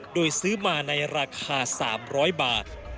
โดยซื้อมาในราคา๓๐๐บาท